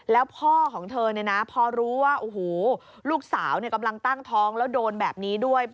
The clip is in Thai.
แล้วพ่อของเธอเนี่ยนะพอรู้ว่าโอ้โหลูกสาวกำลังตั้งท้องแล้วโดนแบบนี้ด้วย